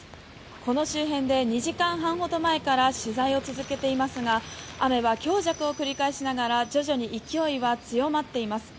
この周辺で２時間ほど前から取材を続けていますが雨は強弱を繰り返しながら徐々に勢いが強まっています。